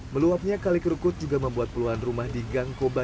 meluapnya kali kerukut juga membuat puluhan rumah di gangkoba